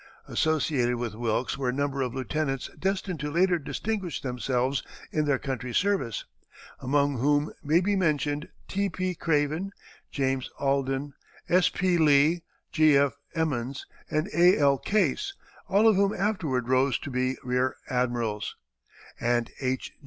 Associated with Wilkes were a number of lieutenants destined to later distinguish themselves in their country's service, among whom may be mentioned T. P. Craven, James Alden, S. P. Lee, G. F. Emmons, and A. L. Case, all of whom afterward rose to be rear admirals, and H.